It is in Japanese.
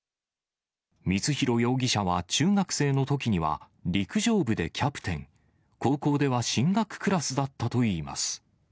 光弘容疑者は中学生のときには、陸上部でキャプテン、高校では進学クラスだったといいます。